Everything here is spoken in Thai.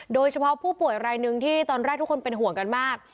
โดยเฉพาะผู้ป่วยรายหนึ่งที่ตอนแรกทุกคนเป็นห่วงกันมาก